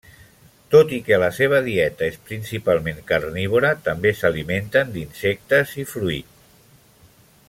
Tot i que la seva dieta és principalment carnívora, també s'alimenten d'insectes i fruit.